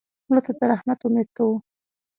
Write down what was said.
مړه ته د رحمت امید کوو